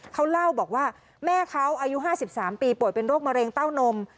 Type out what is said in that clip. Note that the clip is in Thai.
เขาเล่าบอกว่าแม่เขาอายุ๕๓ปีป่วยเป็นโรคมะเร็งเต้านม